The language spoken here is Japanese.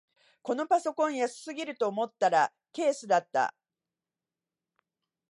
このパソコン安すぎると思ったらケースだった